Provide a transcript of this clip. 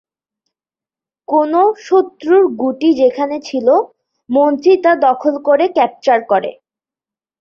কোনও শত্রুর গুটি যেখানে ছিল মন্ত্রী তা দখল করে ক্যাপচার করে।